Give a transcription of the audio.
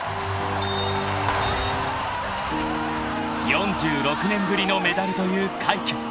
［４６年ぶりのメダルという快挙］